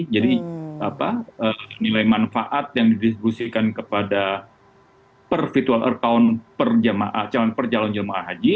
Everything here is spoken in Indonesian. jadi nilai manfaat yang didistribusikan kepada per virtual account per jemaah haji